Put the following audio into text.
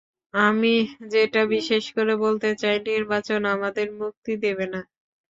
আমি, যেটা বিশেষ করে বলতে চাই, নির্বাচন আমাদের মুক্তি দেবে না।